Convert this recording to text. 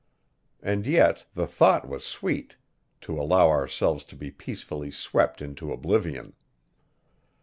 And yet the thought was sweet to allow ourselves to be peacefully swept into oblivion.